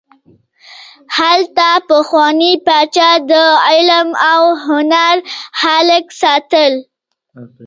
هلته پخواني پاچا د علم او هنر خلک ساتل.